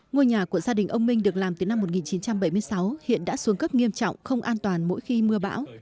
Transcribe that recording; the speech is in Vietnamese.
ngôi nhà của gia đình ông minh được làm từ năm một nghìn chín trăm bảy mươi sáu hiện đã xuống cấp nghiêm trọng không an toàn mỗi khi mưa bão